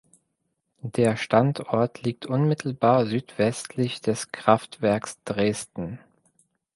Der Standort liegt unmittelbar südwestlich des Kraftwerks Dresden.